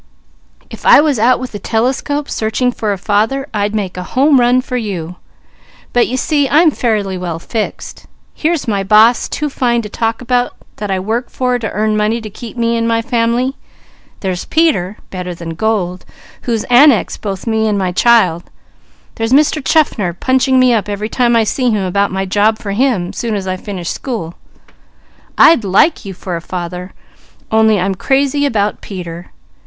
"If I was out with a telescope searching for a father, I'd make a home run for you; but you see I'm fairly well fixed. Here's my boss, too fine to talk about, that I work for to earn money to keep me and my family; there's Peter, better than gold, who's annexed both me and my child; there's Mr. Chaffner punching me up every time I see him about my job for him, soon as I finish school; I'd like you for a father, only I'm crazy about Peter.